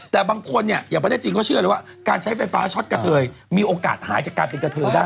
แต่บางคนเนี่ยอย่างประเทศจีนเขาเชื่อเลยว่าการใช้ไฟฟ้าช็อตกะเทยมีโอกาสหายจากการเป็นกระเทยได้